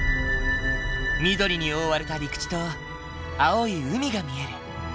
緑に覆われた陸地と青い海が見える。